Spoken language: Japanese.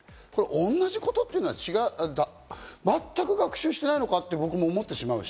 同じことというのは全く学習してないのかと僕も思ってしまう。